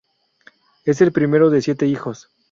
Es el primero de siete hijos.